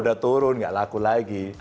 udah turun nggak laku lagi